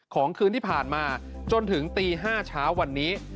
คืนที่ผ่านมาจนถึงตี๕เช้าวันนี้